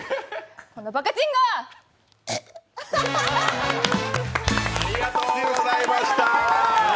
このバカチンが！ありがとうございました。